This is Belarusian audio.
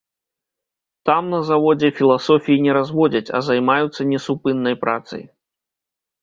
Там, на заводзе, філасофіі не разводзяць, а займаюцца несупыннай працай.